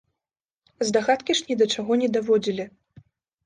Здагадкі ж ні да чаго не даводзілі.